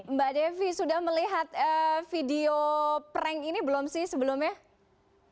mbak devi sudah melihat video prank ini belum sih sebelumnya